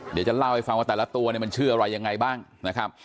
เดี๋ยวจะเล่าให้ฟังว่าแต่ละตัวเนี่ยมันชื่ออะไรยังไงบ้างนะครับ